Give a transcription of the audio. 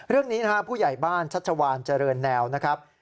เรื่องนี้นะครับผู้ใหญ่บ้านชัชวานเจริญแนวนะครับ